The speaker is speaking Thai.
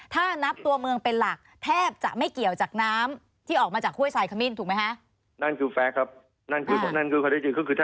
ถ้านับตัวเมืองเป็นหลักแทบจะไม่เกี่ยวจากน้ำที่ออกมาจากห้วยสายขมิ้นถูกไหมคะ